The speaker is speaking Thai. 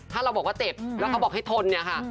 ถ้าเราบอกว่าเจ็บแล้วเขาบอกให้ทนเนี่ยค่ะ